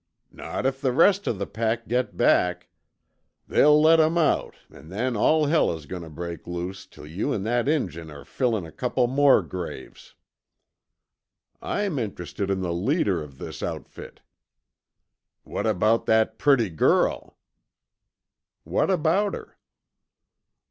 "Not if the rest of the pack get back. They'll let 'em out an' then all hell is goin' tuh break loose till you an' that Injun are fillin' a couple more graves." "I'm interested in the leader of this outfit." "What about that purty girl?" "What about her?"